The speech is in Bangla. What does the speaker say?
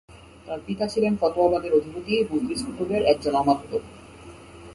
তাঁর পিতা ছিলেন ফতেয়াবাদের অধিপতি মজলিস কুতুবের একজন অমাত্য।